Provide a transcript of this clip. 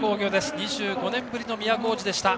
２５年ぶりの都大路でした。